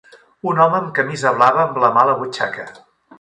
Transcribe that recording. Un home amb camisa blava amb la mà a la butxaca.